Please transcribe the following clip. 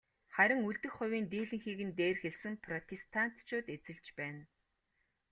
Харин үлдэх хувийн дийлэнхийг нь дээр хэлсэн протестантчууд эзэлж байна.